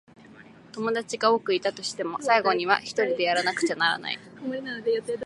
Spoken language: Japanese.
友達が多くいたとしても、最後にはひとりでやらなくちゃならない。